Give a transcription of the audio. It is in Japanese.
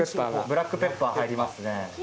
ブラックペッパー入りますね。